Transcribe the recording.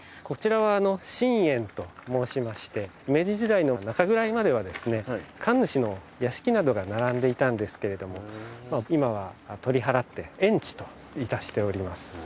こちらは神苑と申しまして明治時代の中くらいまでは神主の屋敷などが並んでいたんですけれども今は取り払って苑地といたしております。